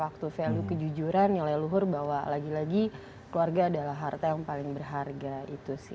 waktu value kejujuran nilai luhur bahwa lagi lagi keluarga adalah harta yang paling berharga itu sih